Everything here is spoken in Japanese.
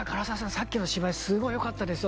さっきの芝居すごいよかったですよ